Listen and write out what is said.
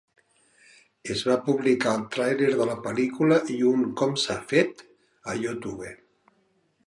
Es va publicar el tràiler de la pel·lícula i un com-s'ha-fet a YouTube.